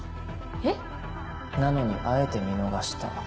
えっ⁉なのにあえて見逃した。